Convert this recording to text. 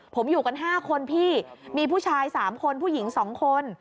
ผมอยู่กัน๕คนพี่มีผู้ชาย๓คนผู้หญิง๒คน